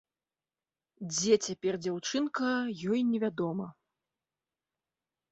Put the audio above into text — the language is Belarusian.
Дзе цяпер дзяўчынка, ёй невядома.